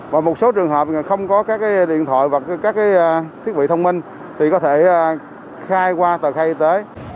và một số trường hợp không có các điện thoại và các thiết bị thông minh thì có thể khai qua tờ khai y tế